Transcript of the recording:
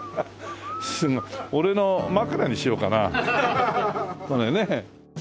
俺の枕にしようかなこれね。